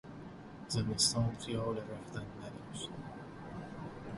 زمستان خیال رفتن نداشت!